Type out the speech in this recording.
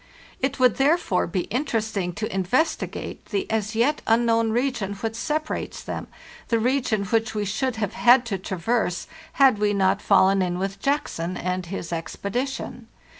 It would therefore be interesting to investigate the as yet unknown region which separates them, the region which we should have had to traverse had we not fallen in with Jackson and his expedition.